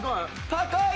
高い！